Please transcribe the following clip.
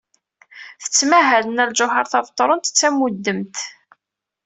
Tettmahal Nna Lǧuheṛ Tabetṛunt d tamudemt.